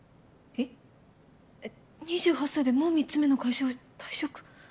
えっ２８歳でもう３つ目の会社を退職？